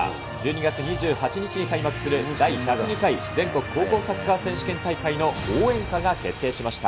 １２月２８日に開幕する第１０２回全国高校サッカー選手権大会の応援歌が決定しました。